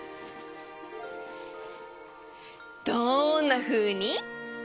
どんなふうに？